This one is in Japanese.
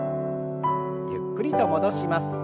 ゆっくりと戻します。